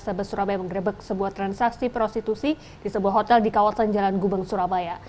sabes surabaya menggerebek sebuah transaksi prostitusi di sebuah hotel di kawasan jalan gubeng surabaya